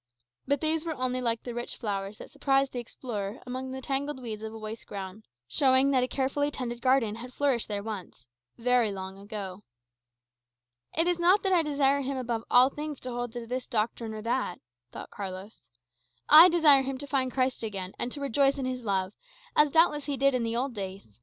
But these were only like the rich flowers that surprise the explorer amidst the tangled weeds of a waste ground, showing that a carefully tended garden has flourished there once very long ago. "It is not that I desire him above all things to hold this doctrine or that," thought Carlos; "I desire him to find Christ again, and to rejoice in his love, as doubtless he did in the old days.